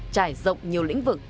trải rộng nhiều lĩnh vực